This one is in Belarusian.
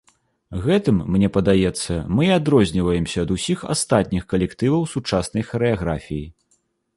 Гэтым, мне падаецца, мы і адрозніваемся ад усіх астатніх калектываў сучаснай харэаграфіі.